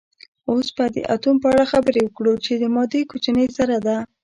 اوس به د اتوم په اړه خبرې وکړو چې د مادې کوچنۍ ذره ده